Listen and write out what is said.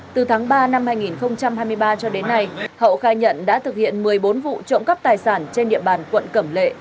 từ tháng ba năm hai nghìn hai mươi ba cho đến nay hậu khai nhận đã thực hiện một mươi bốn vụ trộm cắp tài sản trên địa bàn quận cẩm lệ